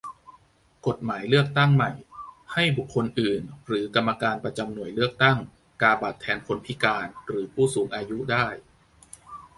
กฎหมายเลือกตั้งใหม่ ให้บุคคลอื่นหรือกรรมการประจำหน่วยเลือกตั้ง กาบัตรแทนคนพิการหรือผู้สูงอายุได้